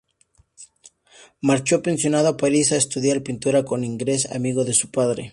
Marchó pensionado a París a estudiar pintura con Ingres, amigo de su padre.